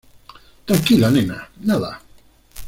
tranquila, nena. nada.